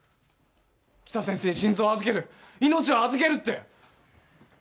北先生に心臓を預ける命を預けるって！